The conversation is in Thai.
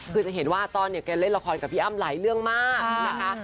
คือจะเห็นว่าต้อนเนี่ยแกเล่นละครกับพี่อ้ำหลายเรื่องมากนะคะ